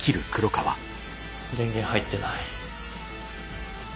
電源入ってない。